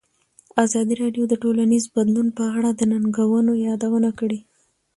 ازادي راډیو د ټولنیز بدلون په اړه د ننګونو یادونه کړې.